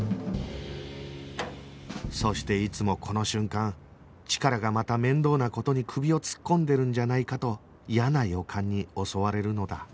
そしていつもこの瞬間チカラがまた面倒な事に首を突っ込んでるんじゃないかと嫌な予感に襲われるのだ